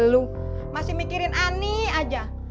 lu masih mikirin ani aja